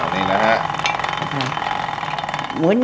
นี่นะฮะ